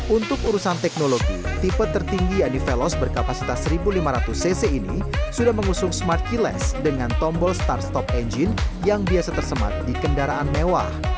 untuk urusan teknologi tipe tertinggi yang di veloz berkapasitas seribu lima ratus cc ini sudah mengusung smart keyless dengan tombol start stop engine yang biasa tersemat di kendaraan mewah